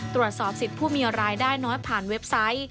ตรวจสอบสิทธิ์ผู้มีรายได้น้อยผ่านเว็บไซต์